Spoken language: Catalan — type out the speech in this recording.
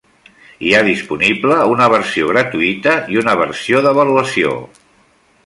Hi ha disponible una versió gratuïta i una versió d'avaluació.